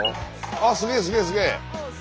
あっすげえすげえすげえ。